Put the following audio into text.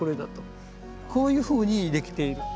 こういうふうに出来ている。